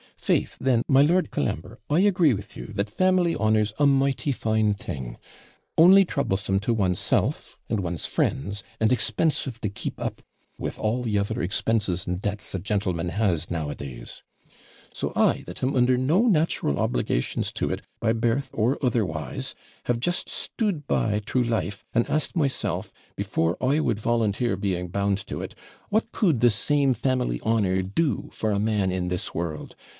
Faith! then, my Lord Colambre, I agree with you, that family honour's a mighty fine thing, only troublesome to one's self and one's friends, and expensive to keep up with all the other expenses and debts a gentleman has nowadays. So I, that am under no natural obligations to it by birth or otherwise, have just stood by through life, and asked myself, before I would volunteer being bound to it, what could this same family honour do for a man in this world?